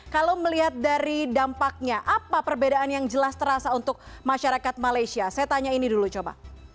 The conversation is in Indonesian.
kalau melihat dari dampaknya apa perbedaan yang jelas terasa untuk masyarakat malaysia saya tanya ini dulu coba